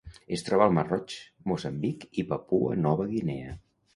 Es troba al mar Roig, Moçambic i Papua Nova Guinea.